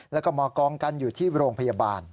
แล้วก็มากองกันอยู่ที่โรงพยาบาล